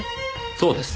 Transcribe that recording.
そうです。